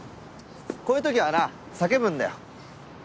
こういうときはな叫ぶんだよ。